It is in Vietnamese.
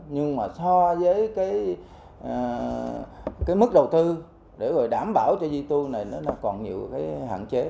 nhưng mà so với cái mức đầu tư để rồi đảm bảo cho di tu này nó còn nhiều cái hạn chế